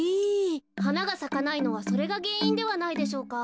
はながさかないのはそれがげんいんではないでしょうか。